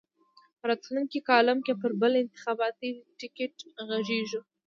په راتلونکي کالم کې پر بل انتخاباتي ټکټ غږېږو.